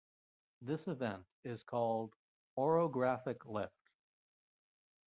This event is called orographic lift.